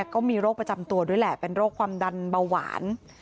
ก็มีโรคประจำตัวด้วยแหละเป็นโรคความดันเบาหวาน